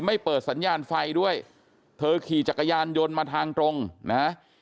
เปิดสัญญาณไฟด้วยเธอขี่จักรยานยนต์มาทางตรงนะฮะ